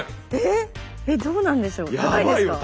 どうなんでしょう高いですか？